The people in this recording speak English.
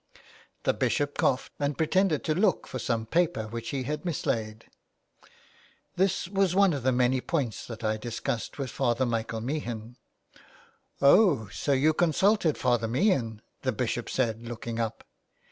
The Bishop coughed, and pretended to look for some paper which he had mislaid. *' This was one of the many points that I discussed with Father Michael Meehan." " Oh, so you consulted Father Meehan," the Bishop said, looking up.